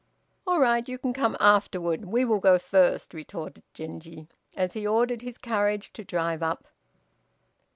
"All right, you can come afterward; we will go first," retorted Genji, as he ordered his carriage to drive up.